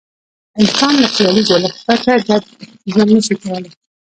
انسان له خیالي جوړښت پرته ګډ ژوند نه شي کولای.